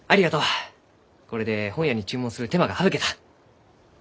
これで本屋に注文する手間が省けた。